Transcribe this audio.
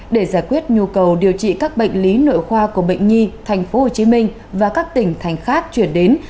để giải quyết nhu cầu điều trị các bệnh lý nội khoa của bệnh nhi tp hcm và các tỉnh thành khác chuyển đến